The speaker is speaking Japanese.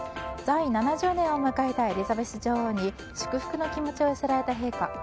在位７０年を迎えたエリザベス女王に祝福の気持ちを寄せられた陛下。